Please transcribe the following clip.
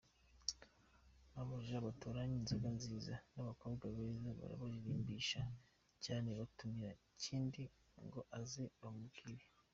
Abaja batoranya inzoga nziza n’abakobwa beza barabarimbisha cyane, batumira Kindi ngo azaze bamubwire.